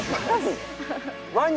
ワニ？